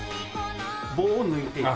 棒を抜いていく。